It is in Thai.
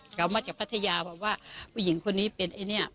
เค้ามาจากพัทยาว่าผู้หญิงคนนี้เป็นร้านอาหาร